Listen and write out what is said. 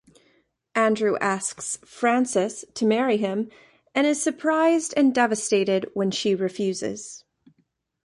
Andrew asks Frances to marry him, and is surprised and devastated when she refuses.